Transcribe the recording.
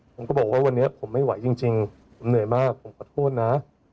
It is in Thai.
ผมก็บอกว่าวันนี้ผมไม่ไหวจริงผมเหนื่อยมากผมขอโทษนะ